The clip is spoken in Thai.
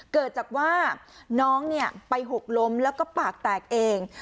เกิดจากว่าน้องไปหกล้มแล้วก็ปากแตกเอง